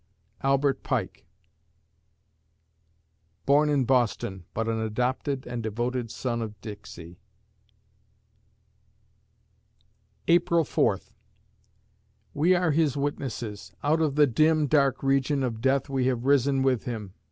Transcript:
ALBERT PIKE ("Born in Boston; but an adopted and devoted son of Dixie") April Fourth We are His witnesses; out of the dim Dark region of Death we have risen with Him.